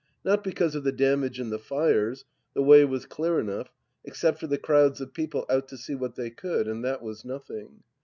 Not because of the damage and the fires, the way was clear enough, except for the crowds of people out to see what they could, and that was nothing.